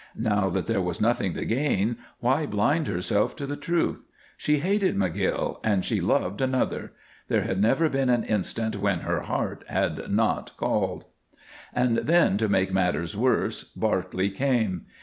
Now that there was nothing to gain, why blind herself to the truth? She hated McGill, and she loved another! There had never been an instant when her heart had not called. And then, to make matters worse, Barclay came.